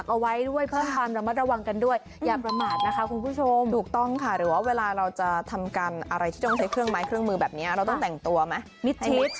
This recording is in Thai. โอ้ยยยยยมันไม่ใช่แค่นี้ไง